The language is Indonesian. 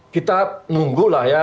kita nunggulah ya